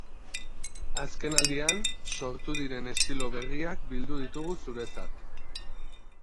Azken aldian, sortu diren estilo berriak bildu ditugu zuretzat.